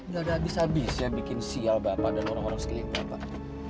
ya udah habis habis ya bikin sial bapak dan orang orang sekalian bapak